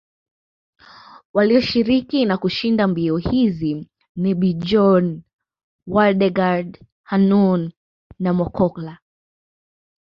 Walioshiriki na kushinda mbio hizi ni Bjorn Waldegard Hannu na Mokkola